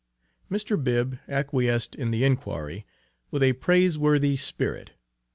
Mr. Bibb acquiesced in the inquiry with a praiseworthy spirit.